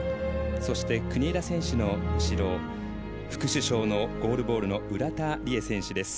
そして、国枝選手の後ろ副主将、ゴールボールの浦田理恵選手です。